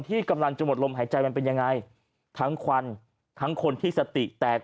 ที่กำลังจะหมดลมหายใจมันเป็นยังไงทั้งควันทั้งคนที่สติแตก